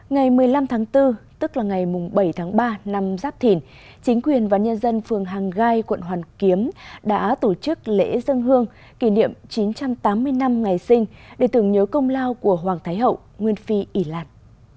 ngày một mươi năm tháng bốn tức là ngày bảy tháng ba năm giáp thìn chính quyền và nhân dân phường hàng gai quận hoàn kiếm đã tổ chức lễ dân hương kỷ niệm chín trăm tám mươi năm ngày sinh để tưởng nhớ công lao của hoàng thái hậu nguyên phi ý lan